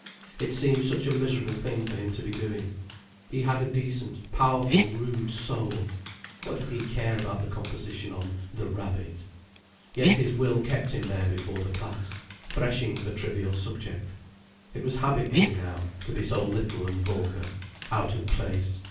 It seemed such a miserable thing for him to be doing. He had a decent, powerful, rude soul. What did he care about the composition on "The Rabbit"? Yet his will kept him there before the class, threshing the trivial subject. It was habit with him now, to be so little and vulgar, out of place.